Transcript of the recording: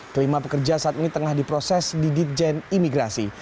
kelima pekerja saat ini tengah diproses di ditjen imigrasi